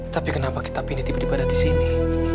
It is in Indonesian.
tapi kenapa kitab ini tiba tiba ada di sini